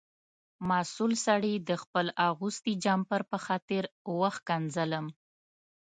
مسؤل سړي د خپل اغوستي جمپر په خاطر وښکنځلم.